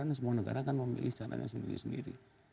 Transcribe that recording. dan semua negara akan memilih caranya sendiri sendiri